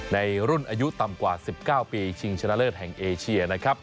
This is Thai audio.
ในรุ่นอายุต่ำกว่า๑๙ปีชิงชนะเลิศแห่งเอเชียนะครับ